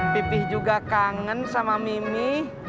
pipih juga kangen sama mimi